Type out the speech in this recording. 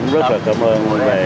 rất là cảm ơn về